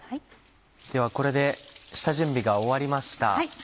ではこれで下準備が終わりました。